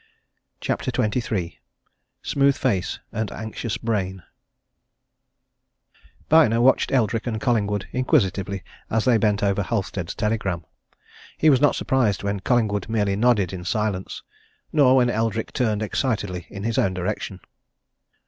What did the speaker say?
CHAPTER XXIII SMOOTH FACE AND ANXIOUS BRAIN Byner watched Eldrick and Collingwood inquisitively as they bent over Halstead's telegram. He was not surprised when Collingwood merely nodded in silence nor when Eldrick turned excitedly in his own direction.